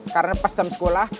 karena pas jam sekolah